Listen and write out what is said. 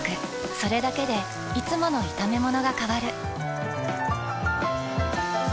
それだけでいつもの炒めものが変わる。